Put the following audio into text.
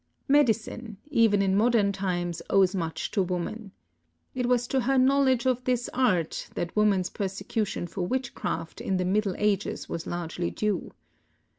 Medicine, even in modern times, owes mucb to woman. It was to her knowledge of this art that woman's persecution for witchcraft in the middle ages was largely due.